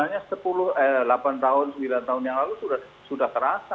ya sebenarnya delapan sembilan tahun yang lalu sudah terasa